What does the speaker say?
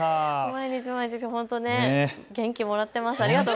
毎日毎日本当に元気をもらってます。